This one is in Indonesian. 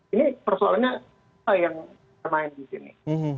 ini persoalannya apa yang termain di sini